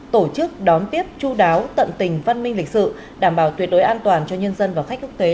tổ chức đón tiếp chú đáo tận tình văn minh lịch sử đảm bảo tuyệt đối an toàn cho nhân dân và khách quốc tế